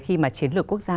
khi mà chiến lược quốc gia